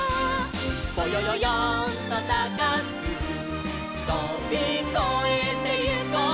「ぼよよよんとたかくとびこえてゆこう」